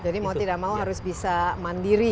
jadi mau tidak mau harus bisa mandiri